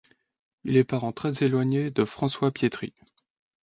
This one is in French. Il est parent très éloigné de François Pietri.